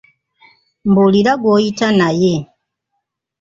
Mbuulira gw'oyita naye.